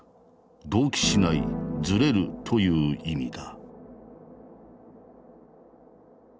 同期しないズレるという意味だ。